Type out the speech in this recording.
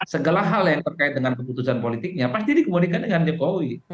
segala hal yang terkait dengan keputusan politiknya pasti dikemudikan dengan jokowi